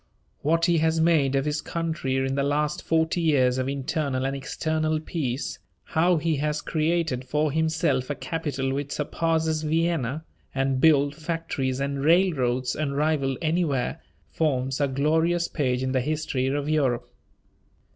What he has made of his country in the last forty years of internal and external peace, how he has created for himself a capital which surpasses Vienna, and built factories and railroads unrivalled anywhere, forms a glorious page in the history of Europe.